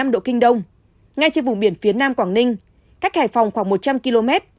một trăm linh độ kinh đông ngay trên vùng biển phía nam quảng ninh cách hải phòng khoảng một trăm linh km